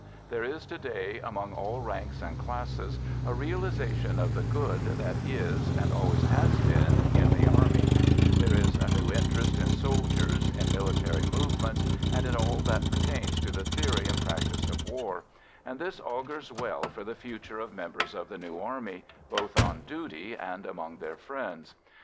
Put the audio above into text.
There is to day among all ranks and classes a realisation of the good that is, and always has been in the Army; there is a new interest in soldiers, in military movements, and in all that pertains to the theory and practice of war, and this augurs well for the future of members of the new army, both on duty and among their friends.